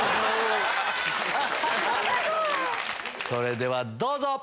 それではどうぞ！